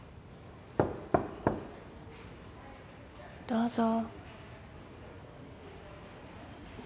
・どうぞ。